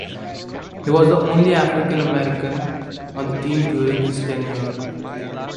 He was the only African American on the team during his tenure.